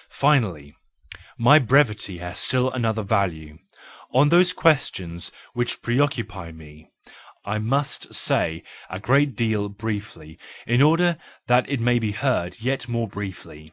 ... Finally, my brevity has still another value: on those questions which pre occupy me, I must say a great deal briefly, in order that it may be heard yet more briefly.